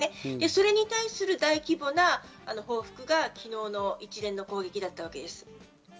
それに対する大規模な報復が昨日の一連の攻撃だったわけです。